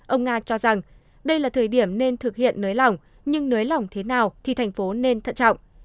ông nga cho rằng đây là thời điểm nên thực hiện nới lỏng nhưng nới lỏng thế nào thì thành phố nên thận trọng